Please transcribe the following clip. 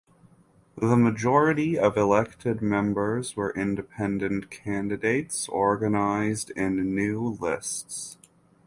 The majority of elected members were independent candidates organized in new lists.